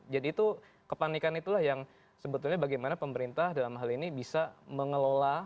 jadi itu kepanikan itulah yang sebetulnya bagaimana pemerintah dalam hal ini bisa mengelola